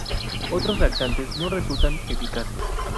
Otros laxantes no resultan eficaces.